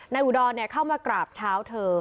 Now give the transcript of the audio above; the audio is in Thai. นายอุดรเนี่ยเข้ามากราบเท้าเธอ